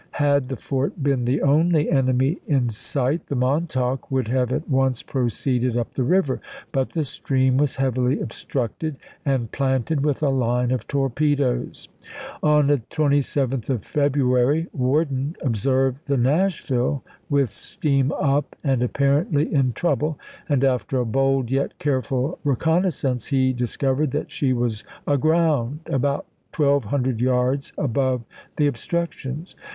Had tho fort been the only enemy in sight the Montauk would have at once proceeded up the river ; but the stream was heavily obstructed and planted with a line of torpedoes. On the 27th of February Worden observed the lsea Nashville with steam up, and apparently in trouble, and after a bold yet careful reconnaissance he dis covered that she was aground about 1200 yards above the obstructions.